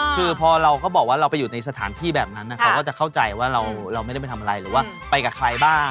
คือพอเราก็บอกว่าเราไปอยู่ในสถานที่แบบนั้นเขาก็จะเข้าใจว่าเราไม่ได้ไปทำอะไรหรือว่าไปกับใครบ้าง